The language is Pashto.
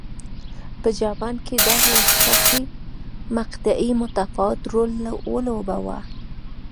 په جاپان کې دغې حساسې مقطعې متفاوت رول ولوباوه.